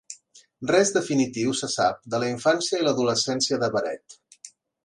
Res definitiu se sap de la infància i l'adolescència de Baret.